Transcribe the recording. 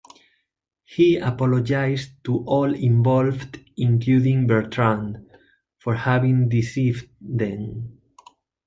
He apologized to all involved, including Bertrande, for having deceived them.